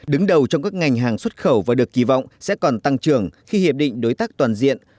đứng đầu trong các ngành hàng xuất khẩu và được kỳ vọng sẽ còn tăng trưởng khi hiệp định đối tác toàn diện